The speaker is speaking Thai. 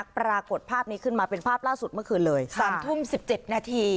ปรากฏภาพนี้ขึ้นมาเป็นภาพล่าสุดเมื่อคืนเลย๓ทุ่ม๑๗นาที